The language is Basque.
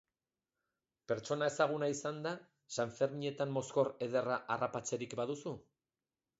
Pertsona ezaguna izanda, sanferminetan mozkor ederra harrapatzerik baduzu?